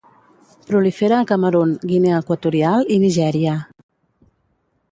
Prolifera a Camerun, Guinea Equatorial i Nigèria.